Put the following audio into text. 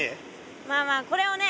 まあまあこれをね